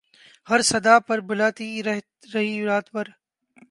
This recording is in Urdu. ہر صدا پر بلاتی رہی رات بھر